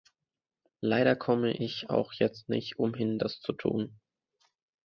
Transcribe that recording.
Leider komme ich auch jetzt nicht umhin, das zu tun.